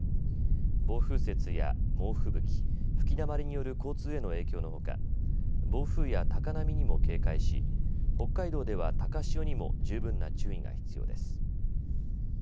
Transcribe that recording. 暴風雪や猛吹雪、吹きだまりによる交通への影響のほか暴風や高波にも警戒し北海道では高潮にも十分な注意が必要です。